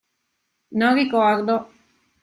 Non ricordo.